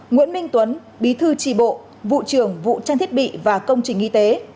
nguyễn minh tuấn bí thư tri bộ vụ trưởng vụ trang thiết bị và công trình y tế